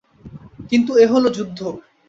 কিন্তু এ হল যুদ্ধ।